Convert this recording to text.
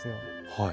はい。